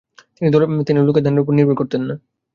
তিনি লোকের দানের উপর নির্ভর করতেন না।